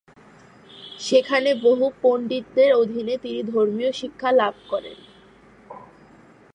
সেখানে বহু পণ্ডিতদের অধীনে তিনি ধর্মীয় শিক্ষা লাভ করেন।